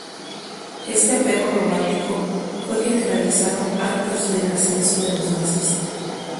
Este apego romántico fue generalizado antes del ascenso de los nazis.